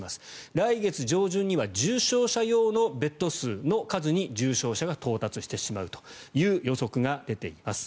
来月上旬には重症者病床の重症者が到達してしまうという予測が出ています。